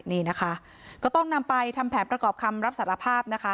นี่นะคะก็ต้องนำไปทำแผนประกอบคำรับสารภาพนะคะ